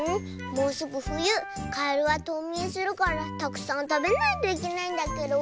もうすぐふゆカエルはとうみんするからたくさんたべないといけないんだケロ。